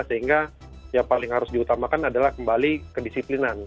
sehingga yang paling harus diutamakan adalah kembali kedisiplinan